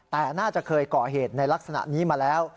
แต่น่าจะเคยก่อเหตุในลักษณะนี้มาแล้ว